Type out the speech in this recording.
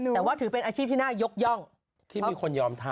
แต่ว่าถือเป็นอาชีพที่น่ายกย่องที่มีคนยอมทำ